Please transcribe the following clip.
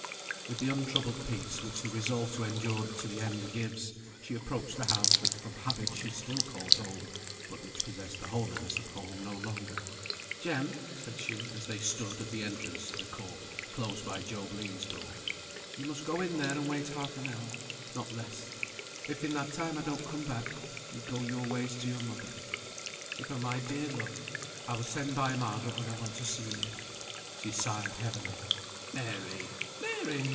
With the untroubled peace which the resolve to endure to the end gives, she approached the house that from habit she still called home, but which possessed the holiness of home no longer. "Jem!" said she, as they stood at the entrance to the court, close by Job Legh's door, "you must go in there and wait half an hour. Not less. If in that time I don't come back, you go your ways to your mother. Give her my dear love. I will send by Margaret when I want to see you." She sighed heavily. "Mary! Mary!